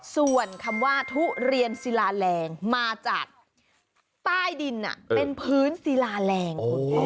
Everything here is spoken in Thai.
ส่วนคำว่าทุเรียนศิลาแรงมาจากใต้ดินเป็นพื้นศิลาแรง